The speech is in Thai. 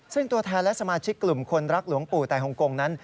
ซึ่งตัวแทนและสมาชิกกลุ่มคนรักหลวงปู่ตายฮงกงนั้น